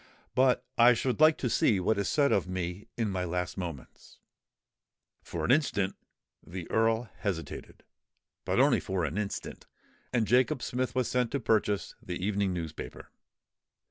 But I should like to see what is said of me in my last moments." For an instant the Earl hesitated—but only for an instant; and Jacob Smith was sent to purchase the evening newspaper.